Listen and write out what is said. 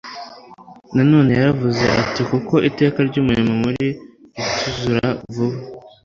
na none yaravuze ati kuko iteka ry'umurimo mubi rituzura vuba